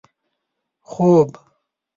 خوب